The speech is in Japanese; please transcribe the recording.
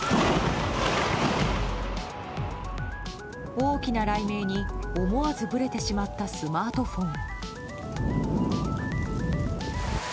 大きな雷鳴に、思わずぶれてしまったスマートフォン。